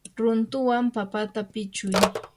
runtuwan papata pichuy.